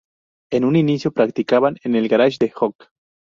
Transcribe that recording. En un inicio practicaban en el garage de Hook.